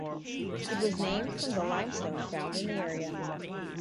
It was named from the limestone found in the area.